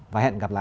và hẹn gặp lại